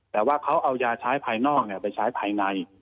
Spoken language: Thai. แต่ว่าเขาเอายาใช้ภายนอกไปใช้ภายใน